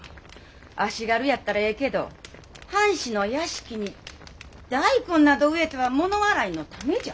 足軽やったらええけど藩士の屋敷に大根など植えては物笑いの種じゃ。